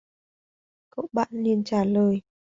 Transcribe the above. Cậu bạn liền trả lời